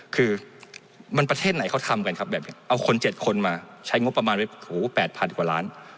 คือมันประเทศไหนเขาทำกันครับแบบนี้เอาคน๗คนมาใช้งบประมาณไว้๘๐๐กว่าล้าน